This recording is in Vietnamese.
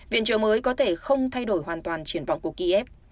viện trợ mới có thể không thay đổi hoàn toàn triển vọng của kiev